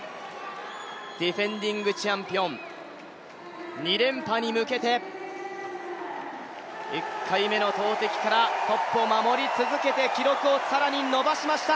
ディフェンディングチャンピオン、２連覇に向けて１回目の投てきからトップを守り続けて、記録を更に伸ばしました。